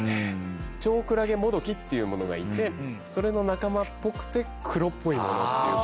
チョウクラゲモドキっていうものがいてそれの仲間っぽくて黒っぽいもの。